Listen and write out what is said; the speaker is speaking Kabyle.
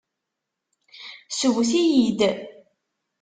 Sewwet-iyi-d.